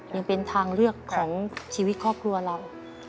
ยังเป็นทางเลือกของชีวิตครอบครัวเรา